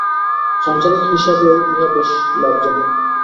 সাংসারিক হিসাবেও ইহা বেশী লাভজনক।